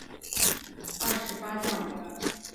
东汉云台二十八将之一。